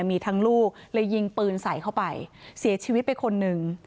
มีทั้งลูกเลยยิงปืนใส่เข้าไปเสียชีวิตไปคนหนึ่ง